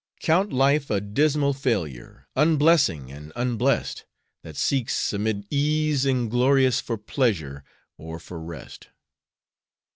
Count life a dismal failure, Unblessing and unblest, That seeks 'mid ease inglorious For pleasure or for rest.